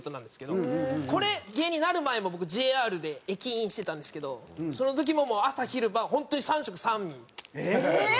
これ芸人になる前も僕ＪＲで駅員してたんですけどその時も朝昼晩ホントにええっ！？